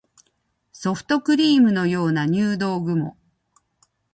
ソフトクリームのような入道雲